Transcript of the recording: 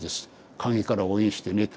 陰から応援してね」と。